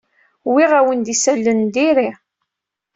Wwiɣ-awen-d isalan n diri.